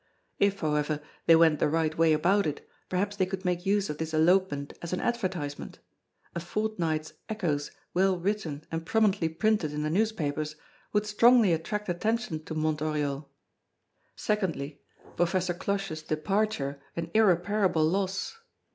If, however, they went the right way about it, perhaps they could make use of this elopement as an advertisement. A fortnight's echoes well written and prominently printed in the newspapers would strongly attract attention to Mont Oriol. Secondly: Professor Cloche's departure an irreparable loss.